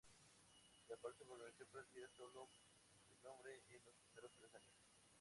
El parque permaneció protegida sólo de nombre en los primeros tres años.